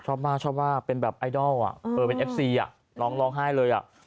ชอบมากชอบว่าเป็นแบบไอดอลเป็นเอฟซีอ่ะร้องร้องไห้เลยอ่ะ